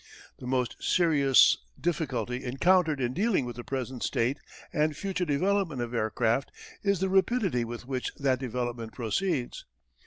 The most serious difficulty encountered in dealing with the present state and future development of aircraft is the rapidity with which that development proceeds.